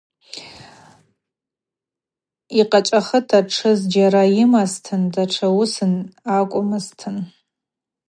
Йкъачӏвахыта тшы зджьара йымазтын датша уысын акӏвмызтын.